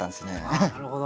あなるほど。